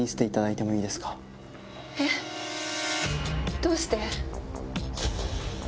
どうして？